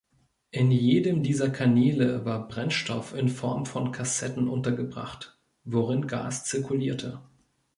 In jedem dieser Kanäle war Brennstoff in Form von Kassetten untergebracht, worin Gas zirkulierte.